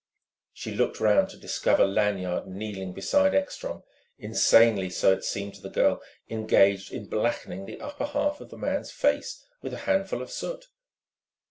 She looked round to discover Lanyard kneeling beside Ekstrom, insanely so it seemed to the girl engaged in blackening the upper half of the man's face with a handful of soot.